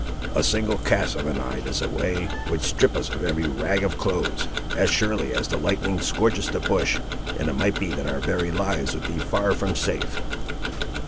A single cast of an eye this a way, would strip us of every rag of clothes, as surely as the lightning scorches the bush, and it might be that our very lives would be far from safe."